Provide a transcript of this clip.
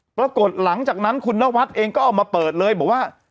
ปรากฏหลังจากนั้นคุณนวัดเองก็เอามาเปิดเลยบอกว่า